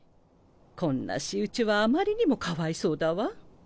こんな仕打ちはあまりにもかわいそうだわ。